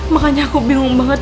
makanya aku bingung banget